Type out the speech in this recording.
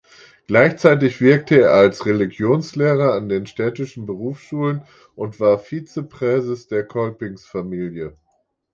Gleichzeitig wirkte er als Religionslehrer an den Städtischen Berufsschulen und war Vizepräses der Kolpingsfamilie.